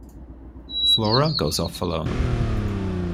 Flora goes off alone.